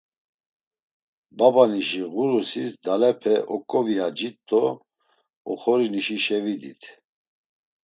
Babanişi ğurusis dalepe oǩoviyacit do oxorinişişe vidit.